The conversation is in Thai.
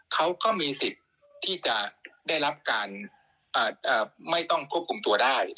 เขาก็มีสิทธิ์ที่จะได้รับการไม่ต้องควบคุมตัวได้